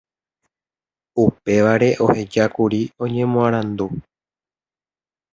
upévare ohejákuri iñemoarandu